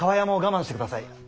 厠も我慢してください。